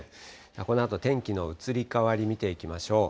このあと天気の移り変わり見ていきましょう。